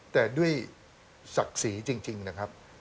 แต่ด้วยศักดิ์ศรีจริงนะครับ